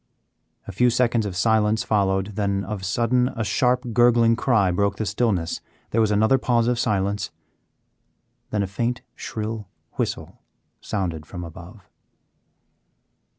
A few seconds of silence followed, then of sudden a sharp gurgling cry broke the stillness. There was another pause of silence, then a faint shrill whistle sounded from above.